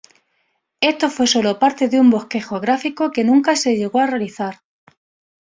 Esto fue solo parte de un bosquejo gráfico que nunca se llegó a realizar.